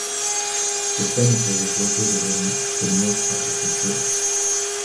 The cemetery is located on the north side of the church.